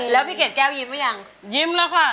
แล้วพี่เขตแก๊วยืมหรือยังยืมเลยค่ะ